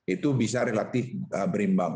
itu bisa relatif berimbang